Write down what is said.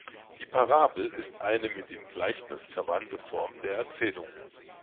Die Parabel ist eine mit dem Gleichnis verwandte Form von der Erzählung.